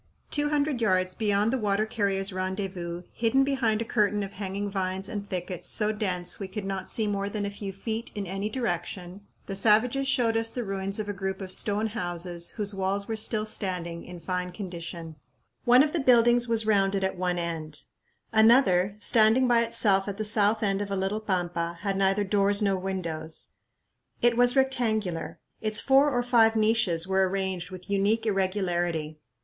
Two hundred yards beyond the water carrier's rendezvous, hidden behind a curtain of hanging vines and thickets so dense we could not see more than a few feet in any direction, the savages showed us the ruins of a group of stone houses whose walls were still standing in fine condition. FIGURE Ruins in the Jungles of Espiritu Pampa One of the buildings was rounded at one end. Another, standing by itself at the south end of a little pampa, had neither doors nor windows. It was rectangular. Its four or five niches were arranged with unique irregularity.